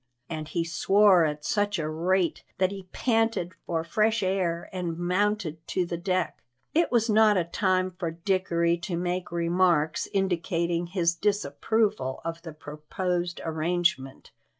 And he swore at such a rate that he panted for fresh air and mounted to the deck. It was not a time for Dickory to make remarks indicating his disapproval of the proposed arrangement.